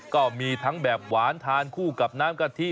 ก็มีทั้งแบบหวานทานคู่กับน้ำกะทิ